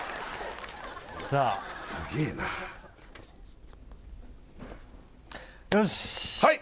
さあすげえなよしはい！